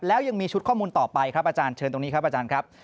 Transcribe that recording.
แล้วยังมีชุดข้อมูลต่อไปครับอาจารย์เชิญตรงนี้ครับอาจารย์ครับ